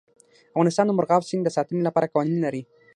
افغانستان د مورغاب سیند د ساتنې لپاره قوانین لري.